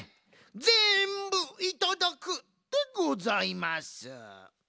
ぜんぶいただくでございます！